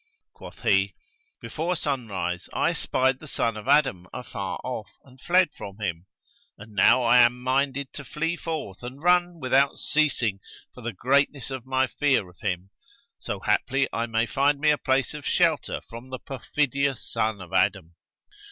Quoth he, 'Before sunrise I espied the son of Adam afar off, and fled from him; and now I am minded to flee forth and run without ceasing for the greatness of my fear of him, so haply I may find me a place of shelter from the perfidious son of Adam.'